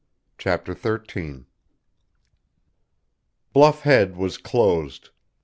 CHAPTER XIII Bluff Head was closed.